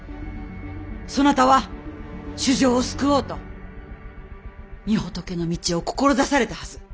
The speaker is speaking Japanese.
そなたは衆生を救おうと御仏の道を志されたはず！